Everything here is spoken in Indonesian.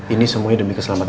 ini semuanya demi keselamatan